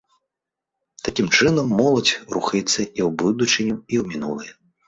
Такім чынам моладзь рухаецца і ў будучыню, і ў мінулае.